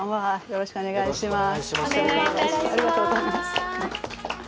よろしくお願いします。